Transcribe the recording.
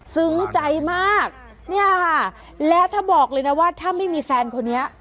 ซึ้งใจมากเนี่ยค่ะและถ้าบอกเลยนะว่าถ้าไม่มีแฟนคนนี้